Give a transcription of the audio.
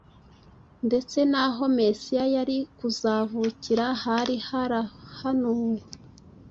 Ndetse n’aho Mesiya yari kuzavukira hari harahanuwe: